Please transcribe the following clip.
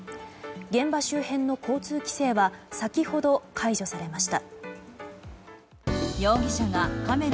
現場周辺の交通規制は先ほど解除されました。